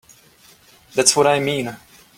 That's what I mean.